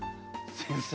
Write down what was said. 先生